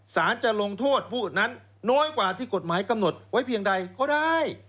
สารจะลงโทษผู้นั้นน้อยกว่าที่กฎหมายกำหนดไว้เพียงใดก็ได้